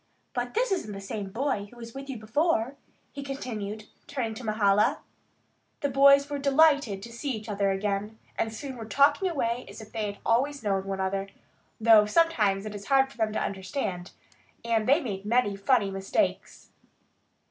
But this isn't the same boy who was with you before," he continued, turning to Mahala. The boys were delighted to see each other again, and soon were talking away as if they had always known one another, though sometimes it was hard for them to understand, and they made many funny mistakes.